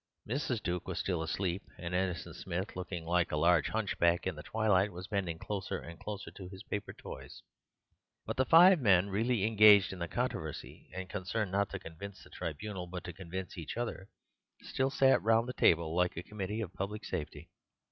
Mrs. Duke was still asleep, and Innocent Smith, looking like a large hunchback in the twilight, was bending closer and closer to his paper toys. But the five men really engaged in the controversy, and concerned not to convince the tribunal but to convince each other, still sat round the table like the Committee of Public Safety.